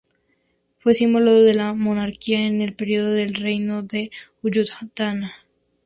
Fue símbolo de la monarquía en el periodo del Reino de Ayutthaya.